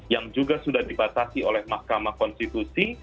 yang juga sudah dibatasi oleh mahkamah konstitusi